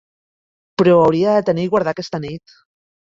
Però ho hauria de tenir i guardar aquesta nit.